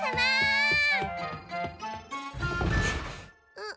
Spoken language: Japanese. あっ？